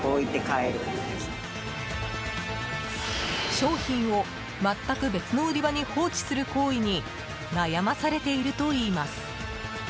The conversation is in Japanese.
商品を全く別の売り場に放置する行為に悩まされているといいます。